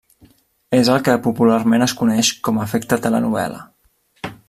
És el que popularment es coneix com a efecte telenovel·la.